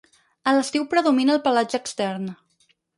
A l'estiu predomina el pelatge extern.